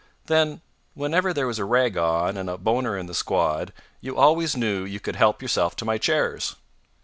"Then, whenever there was a rag on, and a bonner in the quad, you always knew you could help yourself to my chairs."